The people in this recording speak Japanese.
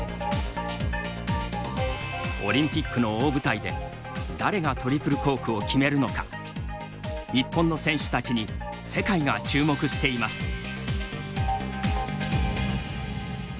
オリンピックの大舞台で誰がトリプルコークを決めるのか日本の選手たちに世界が注目しています。